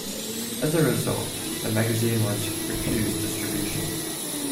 As a result, the magazine was refused distribution.